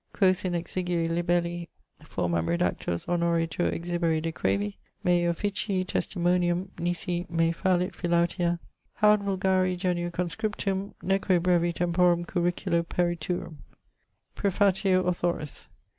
Quos in exigui libelli formam redactos honori tuo exhibere decrevi, mei officii testimonium (nisi me fallit Philautia) haud vulgari genio conscriptum, neque brevi temporum curriculo periturum Praefatio Authoris.